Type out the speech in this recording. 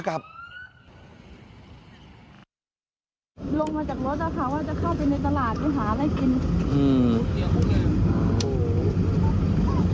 ลงมาจากรถเขาว่าจะเข้าไปในตลาดหาอะไรแล้วกิน